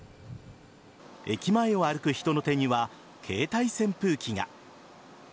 駅前を歩く人の手には携帯扇風機が。